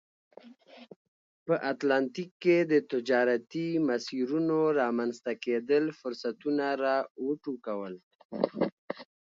په اتلانتیک کې د تجارتي مسیرونو رامنځته کېدل فرصتونه را وټوکول.